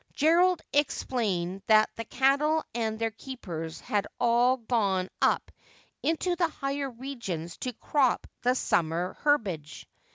Gerald explained that the cattle and their keepers had all gone up into the higher regions to crop the summer herbage.